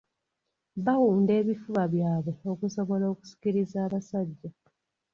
Bawunda ebifuba byabwe okusobola okusikiriza abasajja.